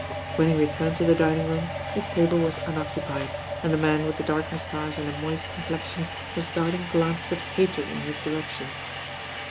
When he returned to the dining room his table was unoccupied, and the man with the dark mous tache and the moist complexion was darting glances of hatred in his direction.